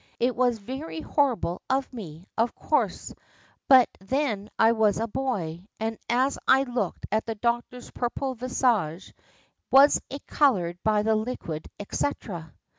It was very horrible of me, of course, but then I was a boy, and as I looked at the doctor's purple visage was it coloured by the liquid et cetera?